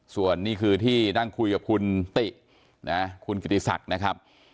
ส่วนนี่คือที่นั่งคุยกับคุณตินะคุณกิติศักดิ์นะครับ